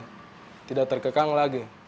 saya tidak terkekang lagi